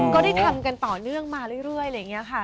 ก็ได้ทำกันต่อเนื่องมาเรื่อยอะไรอย่างนี้ค่ะ